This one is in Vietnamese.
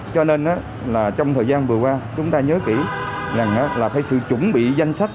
cho nên là trong thời gian vừa qua chúng ta nhớ kỹ là phải sự chuẩn bị danh sách